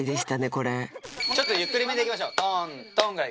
これちょっとゆっくりめでいきましょうトントンぐらいで。